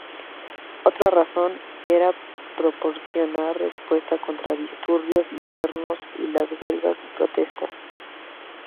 Otra razón era proporcionar respuesta contra disturbios internos, las huelgas y protestas.